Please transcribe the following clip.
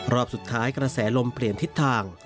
รอบสุดท้ายกระแสลมเปลี่ยนทิศทาง